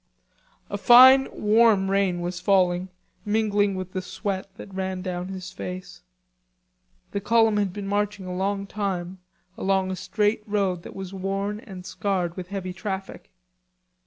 A fine warm rain was falling, mingling with the sweat that ran down his face. The column had been marching a long time along a straight road that was worn and scarred with heavy traffic.